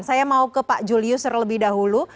saya mau ke pak julius terlebih dahulu